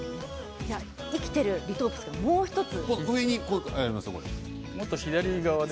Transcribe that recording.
生きているリトープスがもう１つ。